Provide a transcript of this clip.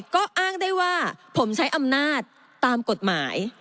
ก็อ้างได้ว่าผมใช้อำนาจตามกฎหมาย